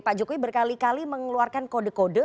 pak jokowi berkali kali mengeluarkan kode kode